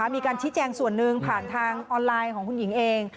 มีการชี้แจงส่วนหนึ่งผ่านทางออนไลน์ของคุณหญิงเอง